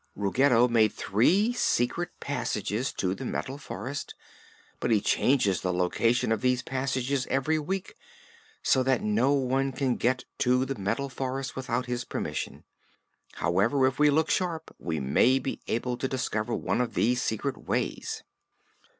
"Ruggedo made three secret passages to the Metal Forest, but he changes the location of these passages every week, so that no one can get to the Metal Forest without his permission. However, if we look sharp, we may be able to discover one of these secret ways."